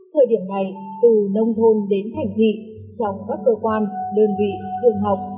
thời điểm này từ nông thôn đến thành thị trong các cơ quan đơn vị trường học